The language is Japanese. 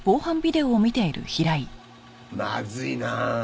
まずいなあ。